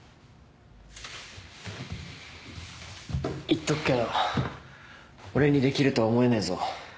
言っとくけど俺にできるとは思えねえぞ。